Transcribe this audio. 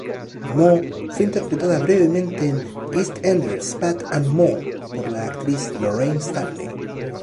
Mo fue interpretada brevemente en "EastEnders: Pat and Mo" por la actriz Lorraine Stanley.